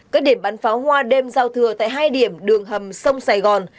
các điểm bắn pháo hoa đêm giao thừa tại hai điểm đường hầm sông sài gòn